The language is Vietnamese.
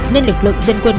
nên lực lượng dân quân